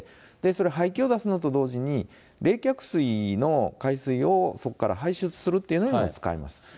それ、排気を出すのと同時に、冷却水の海水をそこから排出するっていうのにも使います。